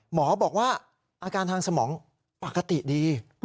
หมอบอกว่าอาการทางสมองปกติดี